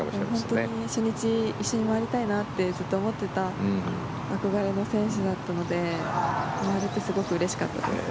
本当に初日一緒に回りたいなってずっと思っていた憧れの選手だったので回れてすごくうれしかったです。